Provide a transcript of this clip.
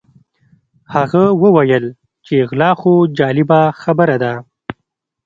هغه وویل چې غلا خو جالبه خبره ده.